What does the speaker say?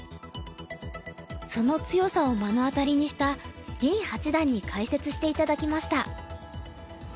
その強さを目の当たりにした林八段に解説して頂きました。